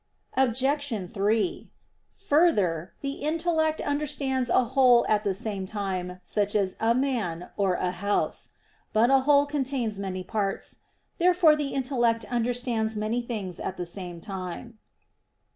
Obj. 3: Further, the intellect understands a whole at the same time, such as a man or a house. But a whole contains many parts. Therefore the intellect understands many things at the same time.